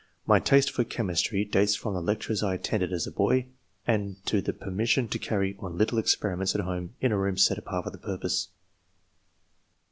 My taste for chemistry dates from the lectures I attended as a boy, and to the permission to carry on little experiments at home in a room set apart for the purpose.